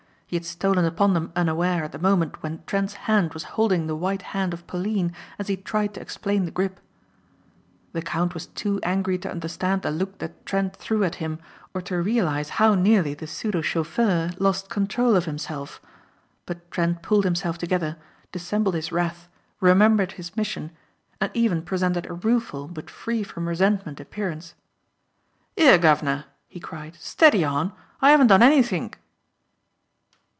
He had stolen upon them unaware at a moment when Trent's hand was holding the white hand of Pauline as he tried to explain the grip. The count was too angry to understand the look that Trent threw at him or to realize how nearly the pseudo chauffeur lost control of himself. But Trent pulled himself together, dissembled his wrath, remembered his mission, and even presented a rueful but free from resentment appearance. "'Ere guv'nor," he cried, "steady on! I 'aven't done anythink."